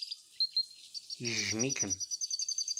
Yejjem-ikem.